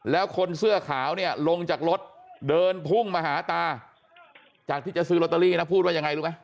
แล้วคนเสื้อขาวเนี่ยลงจากรถเดินพุ่งมาหาตาจากที่จะซื้อลอตเตอรี่นะพูดว่ายังไงรู้ไหม